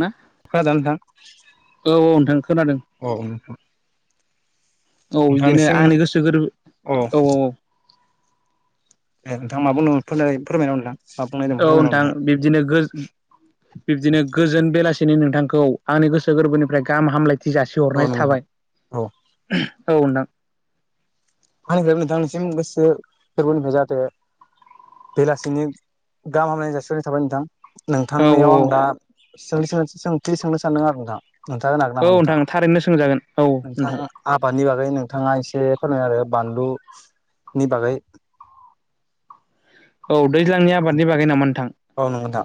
ना खोनादोंना नोंथां? औ नोंथां खोनादों औ नोंथां औ बिदिनो आंनि गोसो गोरबो औ औ दे नोंथां माबुंदोंमोन फोरमाय फोरमायनाहो नोंथां । औ नोंथां बिब्दिनो गोजो बिब्दिनो गोजोन बेलासि दिनै नोंथांखौ आंनि गोसो गोरबोनिफ्राय गाहाम हामलायथि औ जासिहरनाय थाबाय। नंगौ नोंथां औ औ नोंथां आंनिफ्रायबो नोंथांनिसिम गोसो गोरबोनिफ्राय जाहाथे बेलासिनि गाहाम हामलायनाय जासिहरनाय थाबाय नोंथां। औ औ नोंथांनियाव आं दा सोंथि सों सोंथि सोंनो सानदों आरो नोंथा । नोंथांङ होनो हागोन औ नामा नोंथां? थारैनो सोंजागोन औ नोंथां नोंथांङा आबादनि बागै नोंथांङा एसे एसे फोरमायना होदों बानलु नि बागै । औ दैज्लांनि आबादनि बागै नामा नोंथां? औ नंगौ नोंथां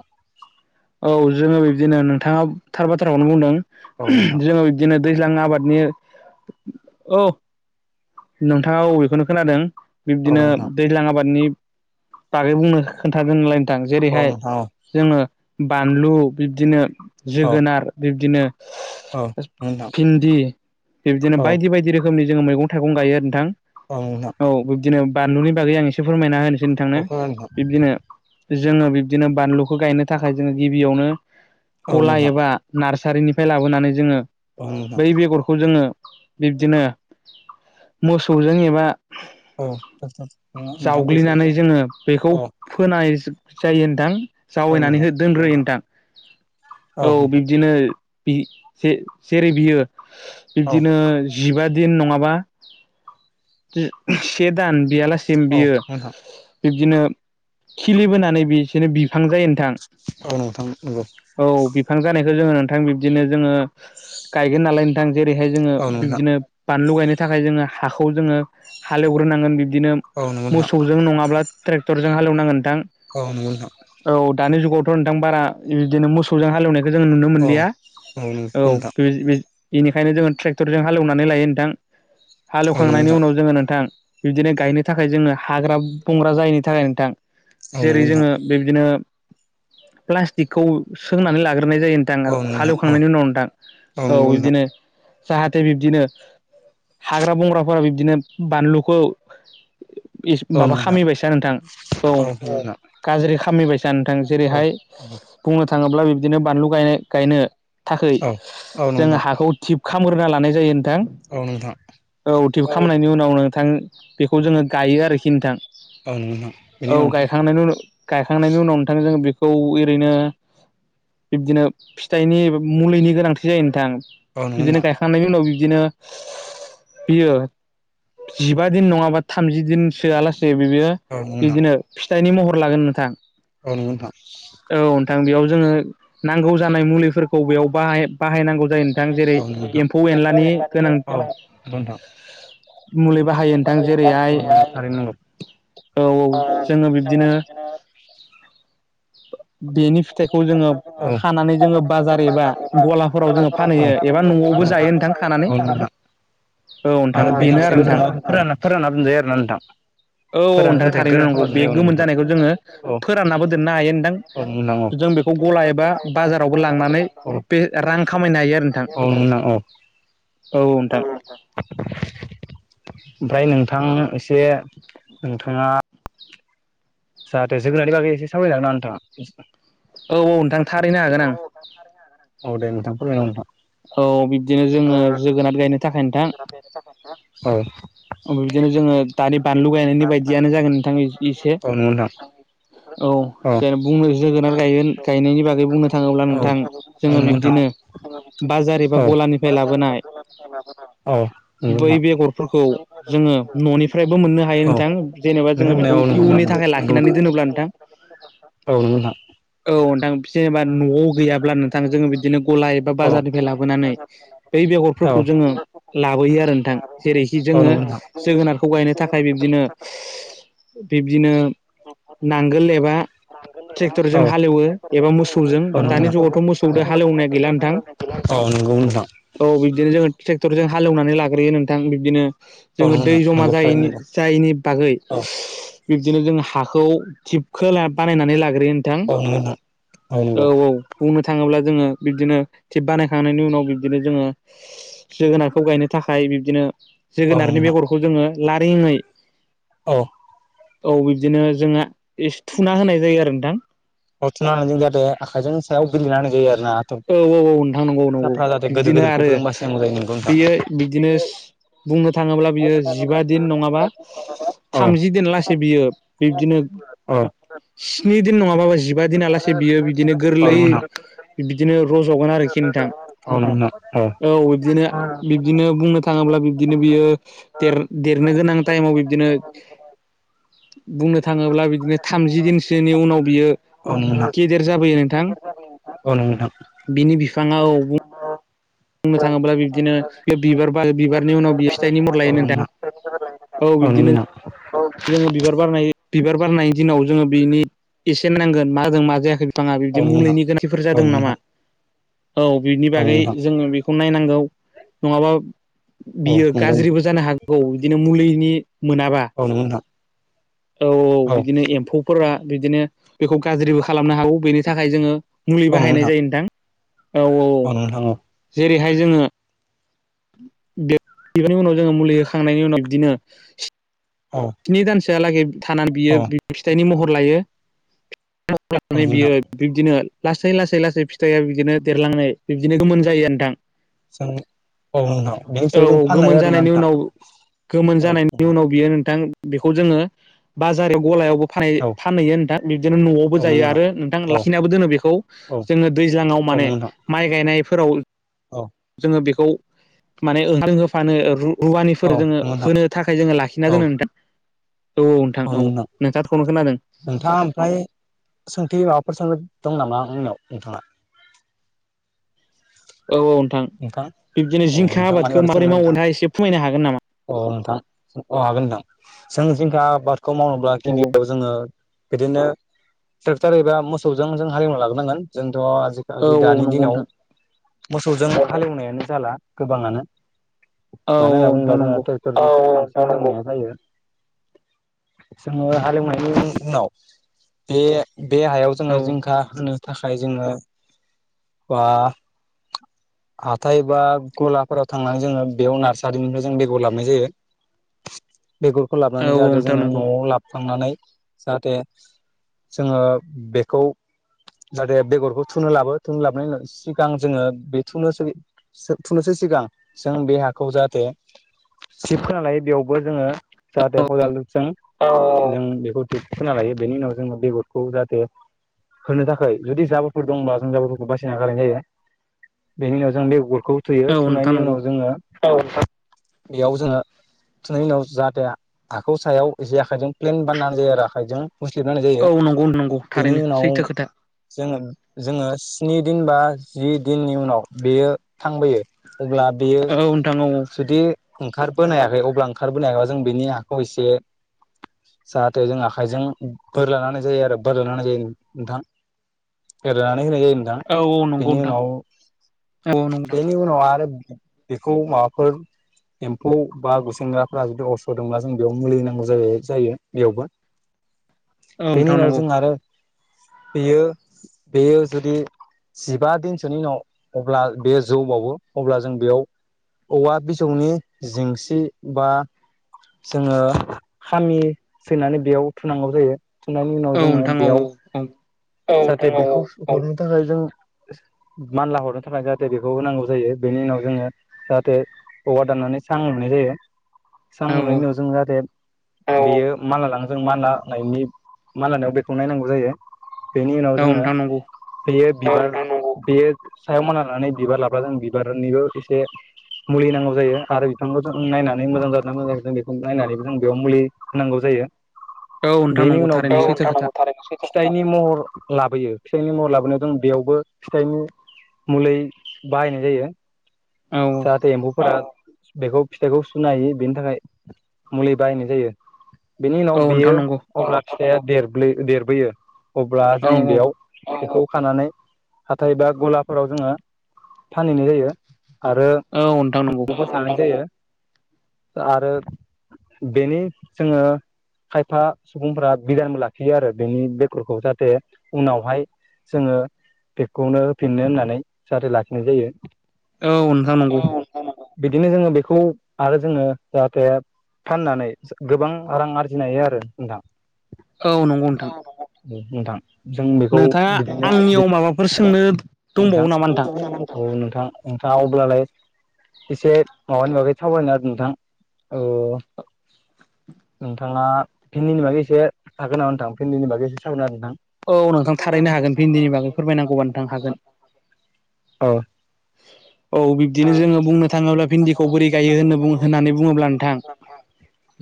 औ जोंङो बि दिनो नोंथांङा थार बाथ्राखौनो बुंदों औ नोंथां उमहु जोंङो बिब्दिनो दैज्लां आबादनि औ नोंथांङा औ बेखौनो खोनादों। औ बिब्दिनो नोंथां दैज्लां आबादनि बागै बुंनो खोन्थादोंनालाय नोंथां औ जेरैहाय- नोंथां औ जोंङो बानलु, बिब्दिनो औ जोगोनार बिब्दिनो औ नोंथां भिन्दि बिब्दिनो औ बायदि बायदि रोखोमनि जोंङो मैंगं- थाइगं गायो नोंथां औ बिब्दिनो बानलुनि बागै आं एसे फोरमायना होन सै नोंथांनो औ फोरमाय नोंथां बिब्दिनो जोंङो बिब्दिनो बानलुखौ गायनो थाखाय जोंङो गिबियावनो औ गला नोंथां एबा नार्सारिनिफ्राय लाबोनानै जोंङो औ नोंथां बै बेगरखौ जोंङो बिब्दिनो मोसौजों एबा औ नोंथां जावग्लिनानै दैफोरजों जोंङो बेखौ औ फोनाय जायो नोंथां औ जावैनानै नोंथां औ दोनग्रोयो नोंथां औ बिब्दिनो जि जे-जेरै बियो औ बिब्दिनो जिबा दिन नंङाबा जि से दान बियालासिम औ बियो नोंथां बिब्दिनो खिलिबोनानै बिसोरनो बिब फां जायो नोंथां औ नोंथां नंगौ औ बिफां जानायखौ जोंङो थां बिबदिनो जोंङो गायगोन नालाय नोंथां जेरैहाय जोंङो औ उम नोंथां बिबदिनो बानलु गायनो थाखाय जोंङो हाखौ जोंङो हालेवग्रोनांगोन बिब्दिनो औ नंगौ नोंथां मोसौजों नंङाब्ला ट्रेक्टरजों हालेवनांगोन नोंथां। औ नंगौ नोंथां। औ दानि नोंथां बारा बिदिनो मोसौजों हालेवनायखौ जों नुनो औ मोनलिया। औ बि बि बिनिखायनो जोङो ट्रेक्टरजों हालेवनानै लायो नोंथां। औ हालेवखांनायनि उनाव जोङो नोंथां, बिबदिनो गायनो थाखाय जोङो हाग्रा बंग्रा जायैनि थाखाय नोंथां जेरै नंगौ नोंथां जोङो बिबायदिनो प्लास्टिकखौ सोंनानै लागोन नाय जायो नोंथां औ नंगौ औ हालेवखांनायनि नंगौ उनाव नोंथां औ नोंथां बिदिनो जाहाथे बिबदिनो हाग्रा बंग्राफोरा बिब्दिनो बानलुखौ औ नंगौ नोंथां औ नंगौ नोंथां औ नंगौ नोंथां औ माबा नंगौ औ खामिबायसा नोंथां औ। गाज्रि खामिबायसा नोंथां जेरैहाय बुंनो थाङोब्ला बिदिनो बानलु गाय गायनो थाखै औ नंगौ जोंङ नोंथां हाखौ थिबखग्रोना लानाय जायो नोंथां। औ नोंथां औ नंगौ औ थिप खालामनायनि उनाव नोंथां बेखौ जोङो गायो आरोखि नोंथां। नोंथां बेनि औ उनाव गायखांनायनि उन गायखांनायनि उनाव नोंथां जो बि खौ ओरैनो बिब्दिनो फिथाइनि मुलिनि गोनांथि जायो नोंथां। बिदिनो नोंथां गायखांनायनि उनाव बिदिनो बियो जिबा दिन नङाबा थामजि दिन सोआलासि जे बिबियो औ नंगौ नोंथां बिदिनो फिथाइनि महर लागोन नोंथां। औ नंगौ नोंथां औ नोंथां बेयाव जोङो नांगौ जानाय मुलिफोरखौ बेयाव बाहाय बाहायनांगौ जायो नोंथां जेरै एम्फौ एनलानि गोनां [unintelligible] अ नंगौ मुलि बाहायो नोंथां। जेरैहाय [unintelligible] नोंगौ औ औ थारैनो जोङो बिब्दिनो नोंगौ। अ [unintelligible] बेनि फिथाइखौ जोङो खानानै जोङो बाजार एबा गलाफोराव जोङो फानहैयो एबा न न'आवबो जायो नोंथां खानानै। औ [unintelligible] नोंथां बेनो आरो नोंथां फोरान-फोरान्नाबो दोनजायो आरो ना नोंथां। औ औ फोरानो नोंथां जाहाथे थारैनो गोरान नंगौ खालामना दोनजायो बे उनाव गोमोन जानायखौ जोङो फोराननाबो दोननो हायो नोंथां, नोंथां औ जों बेखौ गला एबा बाजारावबो लांनानै औ नोंथां बे औ रां खामायनो हायो आरो नोंथां। औ नोंथां औ। औ नोंथां। ओमफ्राय नोंथां एसे नोंथाङा जाहाथे जोगोनारनि बागै एसे सावरायलांना नोंथां? औ औ नोंथां थारैनो हागोन ओं। औ दे नोंथां फोरमायगोन नोंथां। औ बिब्दिनो जोङो जोगोनार गायनो थाखाय नोंथां औ ओमबाय बिदिनो जोङो दानि बानलु गायनायनि बायदियानो जागोन नोंथां ए-एसे। औ नंगौ नोंथां। औ जेन बुंनो जोगोनार गायगोन औ गायनायनि बागै बुंनो थाङोब्ला औ नोंथां नंगौ जोङो नोंथां। बिब्दिनो बाजार एबा औ गलानिफाय लाबोनाय औ नंगौ बै नोंथां बेगरफोरखौ जोङो न'निफ्रायबो मोन्नो हायो नोंथां जेनेबा जोङो बुंनाया बेखौ औ इयुननि था नंगौ थिनानै नंगौ दोनोब्ला नोंथां औ नंगौ नोंथां। औ नोंथां जेनेबा न'आव गैयाब्ला नोंथां जोङो बिदिनो गलाय एबा बाजारनिफाय लाबोनानै बै औ औ। बेगरफोरखौ जोङो लाबोयो आरो नोंथां जेरैखि औ नंगौ जोङो नोंथां जोगोनारखौ गायनो थाखाय बिब्दिनो बिब्दिनो नांगोल एबा औ। ट्रेक्टरजों औ हालेवो एबा मोसौजों नंगौ दानि नोंथां जुगावथ' मोसौजों औ नंगौ हालेवनाया गैला नोंथां औ नंगौ नोंथां औ बिबदिनो जोङो ट्रेक्टरजों हालेवनानै लाग्रोयो नोंथां बिब्दिनो जोङो दै जमा नंगौ थारैनो जायैनि नंगौ जायैनि बागै औ बिदिनो जों हाखौ थिबखोल बानायनानै लागोन बे नोंथां औ नंगौ नोंथां औ औ बुंनो थाङोब्ला जोङो बिब्दिनो थिप बानायखांनायनि उनाव बिब्दिनो जोङो जोगोनारखौ गायनो थाखाय बिब्दिनो औ नंगौ जोगोनारनि नोंथां बेगरखौ जोङो लारिंङै औ। औ बिब्दिनो जोंङा एस थुना होनाय जायो आरो नोंथां। हथनानानै जाहाथे आखाइजों सायाव गेललिनानै जायो आरो । औ औ औ नोंथां नंगौ नंगौ जाहाथे गोदोर बिब्दिनो आरो गोदोरखौबो जों बासिनांगौ जायो नोंगौ नोंथां बेयो बिब्दिनो सि बुंनो थाङोब्ला बियो जिबा दिन नङाबा औ थामजि दिन लासै बियो बिब्दिनो अ। स्नि दिन नङाबाबो जिबा दिना आलासे बियो बिदिनो औ गोरलै नोंथां औ बिबिदिनो रज'गोन आरोखि औ नंगौ नोंथां। औ बिबदिनो बिब्दिनो बुंनो थाङोब्ला बिब्दिनो बियो देर देरनो गोनां था समाव बिबदिनो [unintelligible] बुंनो थाङोब्ला बिदिनो थामजि दिनसोनि उनाव बियो औ नंगौ गेदेर जाबोयो नोंथां नोंथां औ नोंथां औ बिनि बिफाङाव बुंनो थाङोब्ला बिब्दिनो बिबार ब बिबारनि उनाव बि फिथाइननि मर लायो नोंथां औ बिब्दिनो आनो [unintelligible] जोङो बिबार बारनाय बिबार बारनायनि दिनाव जोङो बिनि एसेन नांगोन मा जों मा जायाखै बिफाङा बिब्दि औ मुलैनि गोनांथिफोर जादों औ नामा। औ बिनि बागै जोङो बिखौ नायनांगौ नङाबा बियो गाज्रिबो जानो हागौ बिदिनो मुलिनि मोनाबा औ नोंगो नोंथां। औ औ बिदिनो एम्फौफोरा बिदिनो बेखौ गाज्रिबो खालामनो हागौ बेनि थाखाय जोङो मुलि बाहायनाय जायो नोंथां औ औ जेरैहाय जोङो बिब [unintelligible] उनाव जोङो मुलि होखांनायनि उनाव बिदिनो स्नि दान थियालागे थानानै बियो औ नंगौ बि फिथाइनि महर लायो। [unintelligible] नोंथां बियो बिब्दिनो लास सै लासै लासै फिथाइया बिदिनो देरलांनाय बिब्दिनो गोमोन जायो नोंथां। जों औ नोंथां। बेनि औ सायाव जों औ फाननो गोमोन हायो जानायनि उनाव गोमोन जानायनि उनाव बियो नोंथां बेखौ जोङो बाजार गलायावबो फ फानहैयो नोंथां बिदिनो न'आवबो जायो आरोना आरो नोंथां लाखिनाबो दोनो बेखौ औ जोङो दै दैज्लांआव माने नोंथां माइ गायनायफोराव औ जोङो बेख खौ माने ओं होफानो ओ रु औ रवानिफोर जोङो नंगौ नोंथां होनो थाखाय जोङो लाखिना दोनो नोंथां। औ नोंथां अ औ खौनो खोनादों नोंथाङा ओमफ्राय सोंथि माब फोर सोंनो दं नामा आंनाव नोंथाङा। औ औ नोंथां बिब्दिनो औ जिंखा नोंथां आबादखौ माबोरै मावोना एसे फोरमायनो हागोन नामा अ नोंथां अ हागोन नोंथां जों जिंखा आबादखौ मावनोब्ला औ गिबियाव जोङो बिदिनो ट्रेक्टर एबा मोसौजों जों हालेवना लाबोनांगोन थ' औ आजिखालि औ दानि नंगौ दिनाव नोंथां मोसौजों हालेवनायानो जाला गोबाङानो औ मानो औ होनना बुङोब्ला नोंथां जोंहा नंगौ ट्रेटर औऔ जानांगौबो जायो जोङो हालेवनायनि उ-उनाव। बे बे हायाव औ जोङो जिंखा होनो थाखाय जोङो बा हाथाय बा गलाफोराव थांनानै जोङो बेयाव नार्सारिनिफाय जों बेगर लाबनाय जायो। बेगरखौ औ लाबनानै औ जादो नोंथां जोङो नंगौ न'आव लाबखांनानै जाहाथे जोङो बेखौ जाहाथे बेगरखौ थुनो लाबो थुननो लाबनायनि उनाव सिगां जोङो बे थुनोसोबि सो थुनोसो सिगां जों बे हाखौ जाहाथे सिशब होना लायो बेयावबो जोङो जाहाथे औ खदालजों [unintelligible] बेखौ खोना लायो बेनि उनाव जोङो बेगरखौ जाहाथे होनो थाखाय जुदि जाबोरफोर दंबा जों जाबोफोरखौ बासिना गायनाय जायो बेनि उनाव जों बेगरखौबो थुयो औ नोंथां थुनायनि नंगौ उनाव जोङो औ बेयाव जोङो थुनायनि उनाव जाहाथे हाखौ सायाव एसे आखाइजों प्लेन बानायनानै जायो आरो आखाइजों मुस्लिद होनाय जायो औ नंगौ नंगौ बेनि थारैनो उनाव सैथो खोथा जोङो जोङो स्नि दिन बा जि दिननि उनाव बेयो थांबोयो अब्ला बेयो औ नोंथां औ औ जुदि ओंखारबोनो हायाखै अब्ला ओंखारबोनो हायाखैब्ला जों बिनि हाखौ एसे जाहाथे जों आखाइजों बोरलाना होनाय जायो आरो बोरलाना होनाय जायो नोंथां बोरलानानै होनाय जायो औ नोंथां बेनि नोंथां उनाव औ नंगौ नोंथां बेनि उनाव आरो बेखौ माबाफोर एम्फौ बा गुसेंग्राफ्रा जुदि अस्र' दब्ला जों बेयाव मुलि होनांगौ जाय जायो बेयावबो औ बेनि नोंथां उनाव नंगौ जों आरो बेयो बेयो जुदि जिबा दिनसोनि उनाव- अब्ला बे जौ बावो अब्ला जों बेयाव औवा बिजौनि जेंसि बा जोङो खामि फैनानै बेयाव थुनांगौ जायो थुनायनि उनाव औ जोङो नोंथां औ बेयाव जाहाथे बेखौ हरनो थाखाय जों मानला हरनो थाखाय जाहाथे बेखौ होनांगौ जायो बेनि उनाव जोङो जाहाथे औवा दाननानै सां लुनाय जायो सां औ लुनायनि उनाव जों जाहाथे बेयो मानला लाङो जों मानलानायनि मानलानायाव बेखौ नायनांगौ जायो बेनि उनाव औ जोङो नोंथां नंगौ बेयो बिबार बेयो सायाव मानलानानै बिबार लाबा जों बिबारनिबो एसे मुलि नांगौ जायो आरो बिथांखौ जों नायनानै मोजां जादोंना मोजां जायाखै जों बेखौ नायनानैबो जों बेयाव मुलि होनांगौ जायो- औ नोंथां बेनि नंगौ उनाव बे थारैनो औ सैथो नंगौ खोथा नोंथां थारैनो सैथो फिथाइनि महर लाबोयो फिथाइनि महर लाबोनायाव जों बेयावबो फिथाइनि मुलै बाहायनाय जायो औ जाहाथे एम्फौफोरा बेखौ फिथाइखौ सुनो हायो बेनि थाखाय मुलि बाहायनाय जायो बेनि उनाव औ नोंथां बेयो नंगौ अब्ला फिथाइया देरब्लो देरबोयो अब्ला औ जों बेयाव बेखौ खानानै हाथाय बा गलाफोराव जोङो फानहैनाय जायो आरो औ नोंथां नंगौ न' आवबो जानाय जायो आरो बेनि जोङो खायफा सुबुंफ्रा बिदानबो लाखियो आरो बिनि बेकरखौ जाहाथे उनावहाय जोङो बेखौनो होफिननो होननानै जाहाथे लाखिनाय जायो । औ नोंथां नंगौ बिदिनो जोङो बेखौ आरो जोङो जाहाथे फाननानै गोबां रां आरजिनो हायो आरो नोंथां औ नंगौ नोंथां नोंथां जों बेखौ नोंथाङा बिदिनो आंनियाव माबाफोर सोंनो दंबावो नोंथां नामा नोंथां नोंथाङा अब्लालाय एसे माबानि बागै थावायनो आरो नोंथां औ नोंथाङा भिन्दिनि बागै एसे थागोन नामा नोंथां भिन्दिनि बागै एसे साबोन आरो नोंथां औ नोंथां थारैनो हागोन भिन्दिनि बागै फोरमायनांगौबा नोंथां हागोन नोंथां औ बिब्दिनो जोङो बुंनो थाङोब्ला भिन्दिखौ बोरै गायो होन होननानै बुङोब्ला नोंथां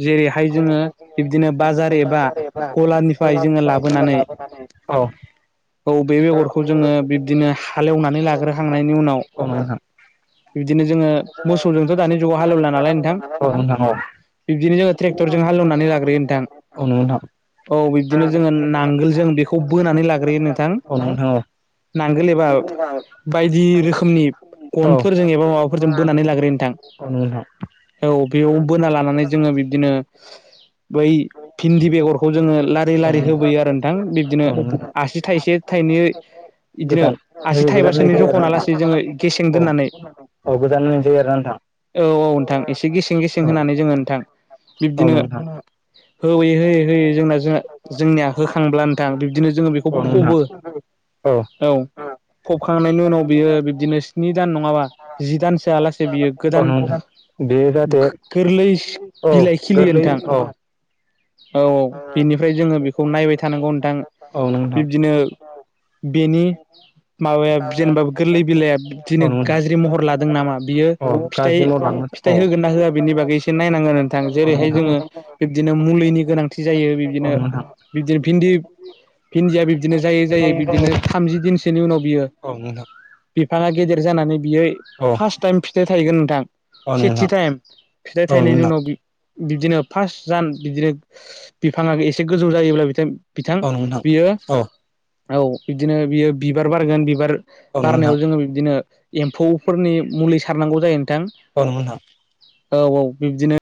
जेरैहाय जोङो बिब्दिनो बाजार एबा गलानिफ्राय जोङो लाबोनानै औ औ बेे बेगरखौ जोङो बिब्दिनो हालेवनानै लाग्रोखांनायनि उनाव औ बिबदिनो जोङो मोसौजोंथ' दानि जुगाव हालेवला नालाय नोंथां औ नोंथां औ नोंथां औ नंगौ नोंथां औ नोंथां औ बिब्दिनो जोङो ट्रेक्टर जों हालौनानै लाग्रोयो नोंथां औ औ बिब्दिनो जोङो नांगोल जों बेखौ बोनानै लाग्रोयो नोंथां। नांगोल एबा बायदि रोखोमनि गनफोरजों ए माबा माबाफोरजों बोनानै लाग्रो नोंथां। नंगौ नोंथां औ बेयाव बोना लानानै जोङो बिब्दिनो बै भिन्दि बेगरखौ जोङो लारि औ लारि नोंथां होबोयो आरो। थां बिदिनो औ नोंथां आसि थाइसे थाइनै बिदिनो गोजान आसि होयो गोजान होनाय थाइबासोनि जायो आरोना जखनालासे जोङो नोंथां गेसें औ दोननानै औ गोजान होनाय जायो आरोना नोंथां औ औ नोंथां एसे गेसें गेसें औ होनानै जोङो नोंथां। औ नोंथां। होै होयै होयै जोंना जों जोंनिया होखांब्ला नोंथां बिब्दिनो जोङो बेखौ औ नोंथां फबो। औ। फबखांनायनि उनाव बियो बिब्दिनो स्नि दान नङाबा जि दानसोआ लासे बियो औ गोदान नोंथां बे जाहाथे गोरलै औ बिलाइ खिलियो गोरलै नोंथां। औ औ औ बिनिफ्राय जोङो बेखौ नायबाय थानांगौ नोंथां औ नोंथां बिब्दिनो बेनि माबाया औ जेनेबा गोरलै बिलाइया बिदिनो नोंथां गाज्रि महर लादों नामा बियो अ फिथाइ गाज्रि मावलाङो औ फिथाइ होगोन ना होआ बिनि बागै इसे नायनांगोन नोंथां जेरैहाय जोङो बिबदिनो मुलिनि गोनांथि जायो बिब्दिनो नोंथां बिब्दिनो भिन्दि भिन्दिया बिब्दिनो जायै जायै बिब्दिनो थामजि दिनसोनि उनाव बियो औ नोंथां। बिफाङा गेदेर जानानै बियो औ फार्स्ट टाइम फिथाइ थाहैगोन नोंथां सेथि नोंथां टाइम, फिथाइ औ नोंथां औ नोंथां औ थायनायनि उनाव बिब्दिनो फार्स्ट जान बिदिनो बिफाङा एसे गोजौ जायोब्ला बिथिं बिथां बियो औ बिबदिनो बियो बिबार बारगोन बिबार नोंथां बारनायाव जोङो बिदिनो एम्फौफोरनि मुलि सारनांगौ जायो नोंथां अ नोंगौ नोंथां। औ औ बिब्दिनो